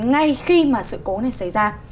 ngay khi mà sự cố này xảy ra